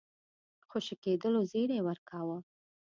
خوشي کېدلو زېری ورکاوه.